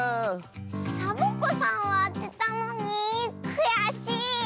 サボ子さんはあてたのにくやしい。